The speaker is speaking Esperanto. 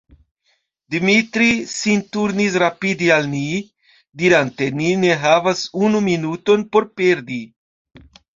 Dimitri sin turnis rapide al ni, dirante: Ni ne havas unu minuton por perdi.